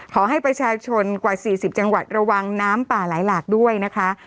ขอให้ประชาชนกว่า๔๐จังหวัดระวังน้ำป่าไหลหลากด้วยนะคะ